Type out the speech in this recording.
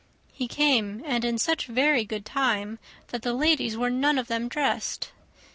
He came, and in such very good time, that the ladies were none of them dressed.